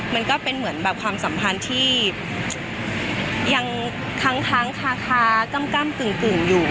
มันก็เป็นเหมือนแบบความสัมพันธ์ที่ยังค้างคาก้ำกึ่งอยู่